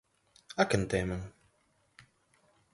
A quen temen?